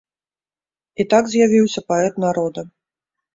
І так з'явіўся паэт народа.